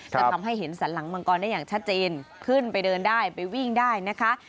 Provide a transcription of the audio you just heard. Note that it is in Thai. จะทำให้เห็นสันหลังมังกรได้อย่างชัดเจนขึ้นไปเดินได้ไปวิ่งได้นะคะ